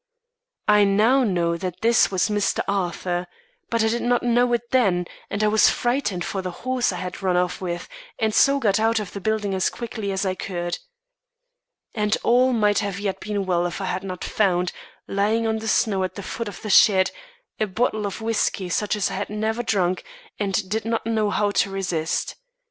I now know that this was Mr. Arthur. But I did not know it then, and I was frightened for the horse I had run off with, and so got out of the building as quickly as I could. And all might yet have been well if I had not found, lying on the snow at the foot of the shed, a bottle of whiskey such as I had never drunk and did not know how to resist.